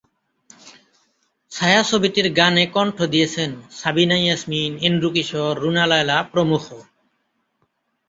ছায়াছবিটির গানে কণ্ঠ দিয়েছেন সাবিনা ইয়াসমিন, এন্ড্রু কিশোর, রুনা লায়লা প্রমুখ।